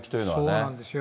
そうなんですよ。